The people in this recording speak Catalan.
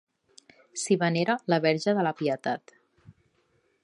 S'hi venera la Verge de la Pietat.